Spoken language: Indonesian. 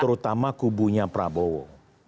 terutama kubunya prabowo